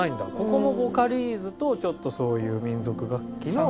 ここもヴォカリーズとちょっとそういう民族楽器の。